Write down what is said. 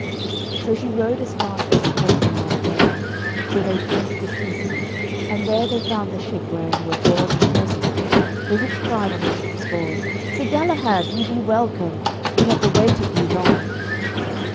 So she rode as fast as her palfrey might bear her, till they came to the seaside, and there they found the ship wherein were Bors and Percivale, the which cried on the ship's board, "Sir Galahad, ye be welcome; we have awaited you long."